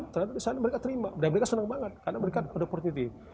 ternyata di sana mereka terima dan mereka senang banget karena mereka ada opportunity